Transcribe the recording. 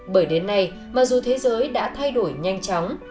bởi đến nay mặc dù thế giới đã thay đổi nhanh chóng